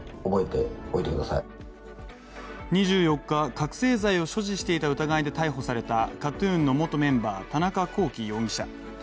２４日、覚醒剤を所持していた疑いで逮捕されたＫＡＴ−ＴＵＮの元メンバー田中聖容疑者。